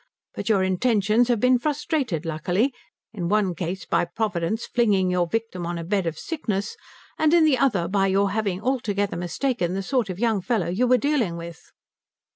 But your intentions have been frustrated luckily, in the one case by Providence flinging your victim on a bed of sickness and in the other by your having altogether mistaken the sort of young fellow you were dealing with."